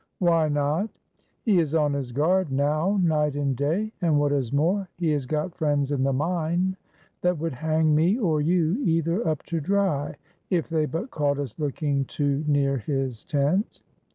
"Why not?" "He is on his guard now, night and day, and what is more he has got friends in the mine that would hang me or you either up to dry, if they but caught us looking too near his tent."